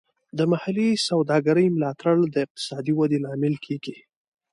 د محلي سوداګرۍ ملاتړ د اقتصادي ودې لامل کیږي.